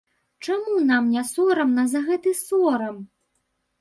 Чаму нам не сорамна за гэты сорам?